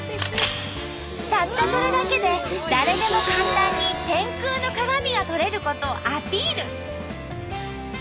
たったそれだけで誰でも簡単に天空の鏡が撮れることをアピール。